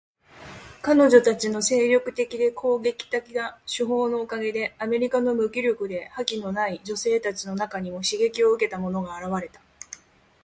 彼女たちの精力的で攻撃的な手法のおかげで、アメリカの無気力で覇気のない女性たちの中にも刺激を受けた者が現れた。